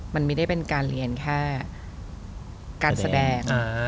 มันไม่ได้เป็นการเรียนแค่การแสดง